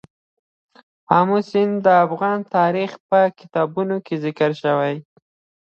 آمو سیند د افغان تاریخ په کتابونو کې ذکر شوی دي.